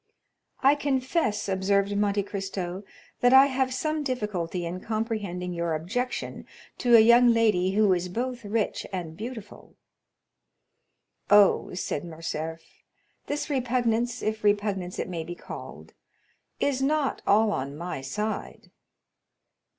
"I confess," observed Monte Cristo, "that I have some difficulty in comprehending your objection to a young lady who is both rich and beautiful." "Oh," said Morcerf, "this repugnance, if repugnance it may be called, is not all on my side."